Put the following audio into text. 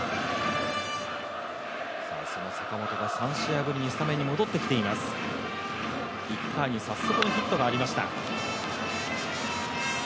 その坂本が３試合ぶりにスタメンに戻ってきています、１回に早速のヒットがありました。